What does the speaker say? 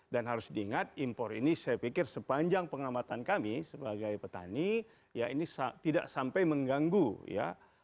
dan harus diingat impor ini saya pikir sepanjang pengamatan kami sebagai petani ya ini tidak sampai mengganggu ya